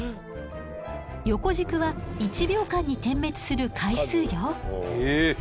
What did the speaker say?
横軸は１秒間に点滅する回数よ。